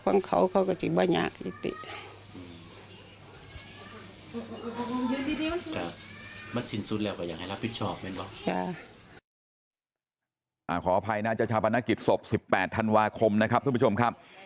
ส่วนการยุติธรรมที่สารจะตัดสินแต่ทางแพ่งเนี่ยยังไม่ได้มาชดใช้